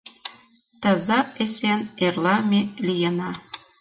Таза-эсен эрла ме лийына.